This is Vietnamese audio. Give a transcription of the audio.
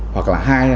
hoặc là hai là